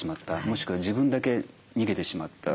もしくは自分だけ逃げてしまった。